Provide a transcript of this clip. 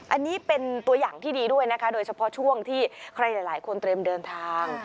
อันนี้เป็นตัวอย่างที่ดีด้วยนะคะโดยเฉพาะช่วงที่ใครหลายคนเตรียมเดินทาง